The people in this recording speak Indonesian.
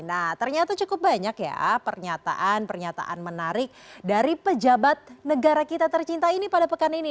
nah ternyata cukup banyak ya pernyataan pernyataan menarik dari pejabat negara kita tercinta ini pada pekan ini